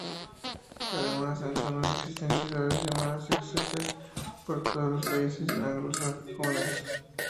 Además, en su honor existen ciudades llamadas "Exeter" por todos los países anglosajones.